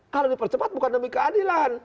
kalau dipercepat bukan demi keadilan